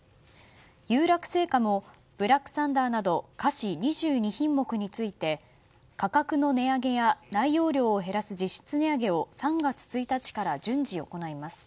有楽製菓もブラックサンダーなど菓子２２品目について価格の値上げや内容量を減らす実質値上げを３月１日から順次、行います。